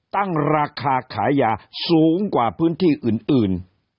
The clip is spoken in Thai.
ตั้งราคาขายยาสูงกว่าพื้นที่อื่น